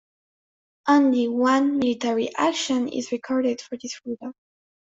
Only one military action is recorded for this ruler.